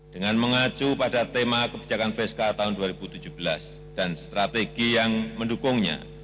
dengan mengacu pada tema kebijakan fiskal tahun dua ribu tujuh belas dan strategi yang mendukungnya